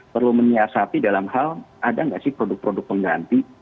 perlu menyiasati dalam hal ada nggak sih produk produk pengganti